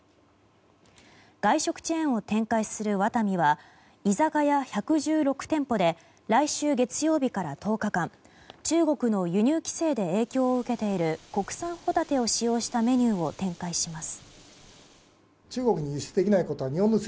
外食チェーンを展開するワタミは居酒屋１１６店舗で来週月曜日から１０日間中国の輸入規制で影響を受けている国産ホタテを使用したメニューを展開します。